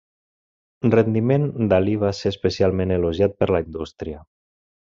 Rendiment d'Ali va ser especialment elogiat per la indústria.